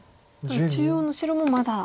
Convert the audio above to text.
中央の白もまだ。